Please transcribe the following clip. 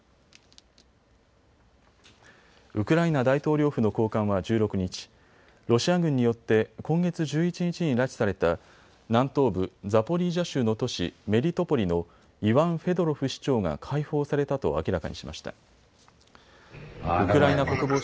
大統領府の高官は１６日、ロシア軍によって今月１１日に拉致された南東部ザポリージャ州の都市メリトポリのイワン・フェドロフ市長が解放されたと明らかにしました。